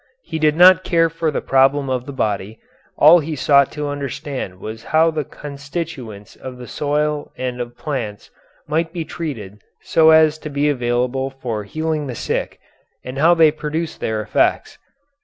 He did not care for the problem of the body, all he sought to understand was how the constituents of the soil and of plants might be treated so as to be available for healing the sick and how they produced their effects.